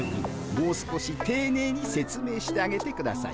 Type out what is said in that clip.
もう少していねいに説明してあげてください。